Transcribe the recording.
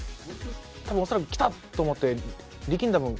恐らく、来たと思って力んだ分